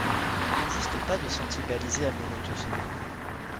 Il n'existe pas de sentier balisé amenant au sommet.